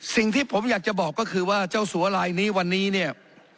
สิ่งที่ผมอยากจะบอกก็คือว่าเจ้าสัวลายนี้วันนี้เนี่ย